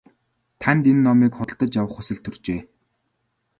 Танд энэ номыг худалдаж авах хүсэл төржээ.